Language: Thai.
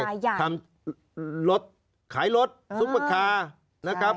ทำอะไรทำรถขายรถซุกบัคคานะครับ